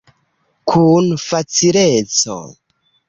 Kun facileco.